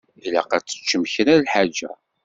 Ilaq ad teččem kra n lḥaǧa.